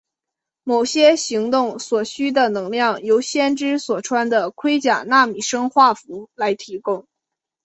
某些行动所需的能量由先知所穿的盔甲纳米生化服来提供。